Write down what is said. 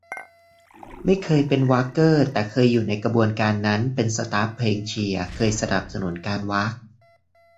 ไม่เคยเป็นว๊ากเกอร์ แต่เคยอยู่ในกระบวนการนั้น เป็นสต๊าฟเพลงเชียร์ เคยสนับสนุนการว๊าก